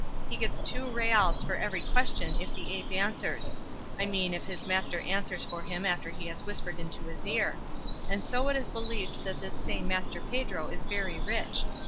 He gets two reals for every question if the ape answers; I mean if his master answers for him after he has whispered into his ear; and so it is believed that this same Master Pedro is very rich.